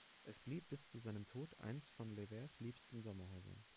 Es blieb bis zu seinem Tod eins von Levers liebsten Sommerhäusern.